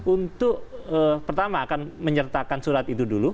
untuk pertama akan menyertakan surat itu dulu